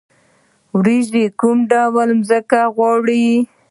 وریجې کوم ډول ځمکه غواړي؟